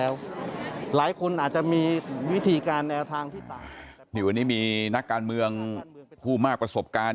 วันนี้มีนักการเมืองผู้มากประสบการณ์